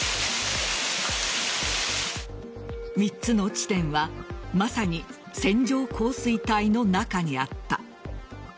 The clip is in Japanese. ３つの地点はまさに線状降水帯の中にあった。